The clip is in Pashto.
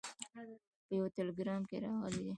په یوه ټلګرام کې راغلي دي.